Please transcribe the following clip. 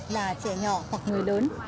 là trẻ nhỏ hoặc người lớn